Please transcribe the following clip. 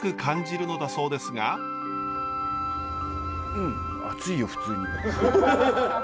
うん熱いよ普通に。